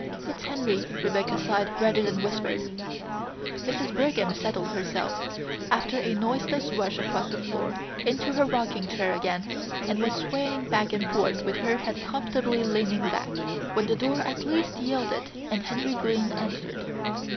"It's Henry," Rebecca sighed rather than whispered. Mrs. Brigham settled herself, after a noiseless rush across the floor, into her rocking chair again, and was swaying back and forth with her head comfortably leaning back, when the door at last yielded and Henry Glynn entered.